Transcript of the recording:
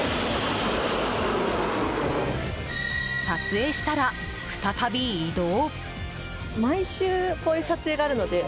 撮影したら再び移動。